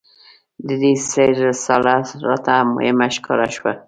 د دې سیر رساله راته مهمه ښکاره شوه.